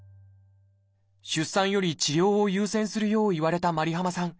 出産より治療を優先するよう言われたｍａｒｉｈａｍａさん。